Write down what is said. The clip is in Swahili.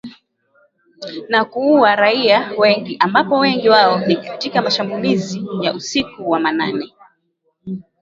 Na kuua raia wengi ambapo wengi wao ni katika mashambulizi ya usiku wa manane